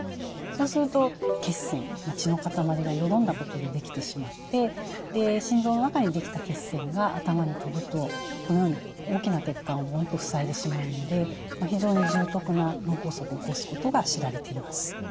そうすると血栓血の塊がよどんだことでできてしまって心臓の中にできた血栓が頭に飛ぶとこのように大きな血管を塞いでしまうので非常に重篤な脳梗塞を起こすことが知られています。